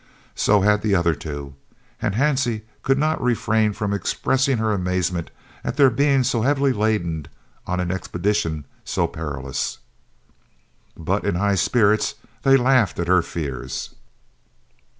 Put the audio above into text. So had the other two, and Hansie could not refrain from expressing her amazement at their being so heavily laden on an expedition so perilous. But, in high spirits, they laughed at her fears.